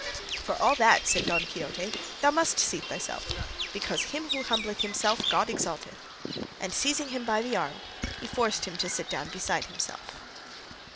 "For all that," said Don Quixote, "thou must seat thyself, because him who humbleth himself God exalteth;" and seizing him by the arm he forced him to sit down beside himself.